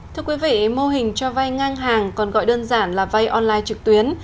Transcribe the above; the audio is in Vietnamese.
thưa quý vị mô hình cho vay ngang hàng còn gọi đơn giản là vay online trực tuyến